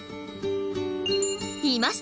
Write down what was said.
いました！